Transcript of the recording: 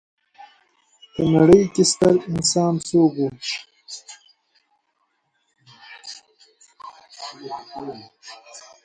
ادارهی مهاجرت و شهروندسازی